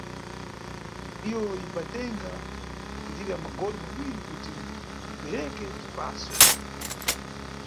Iyo imbatenga kupitirira magole mawiri kuti ipereke bzisapo.